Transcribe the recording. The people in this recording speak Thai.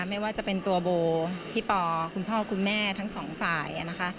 ไม่ว่าจะเป็นตัวโบพี่ปอคุณพ่อคุณแม่ทั้งสองฝ่ายนะคะ